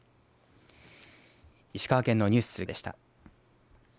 石川県のニュースでした。